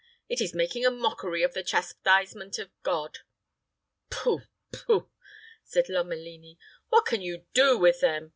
It is making a mockery of the chastisement of God." "Pooh, pooh," said Lomelini. "What can you do with them?